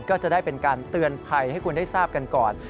ก็จะได้เป็นการเตือนภัยให้คุณได้ทราบกันก่อน